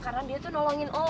karena dia tuh nolongin oh